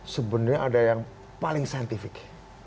sebenarnya ada yang paling saintifik